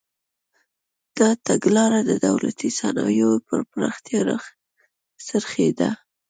دا تګلاره د دولتي صنایعو پر پراختیا راڅرخېده.